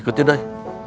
ikut yuk doi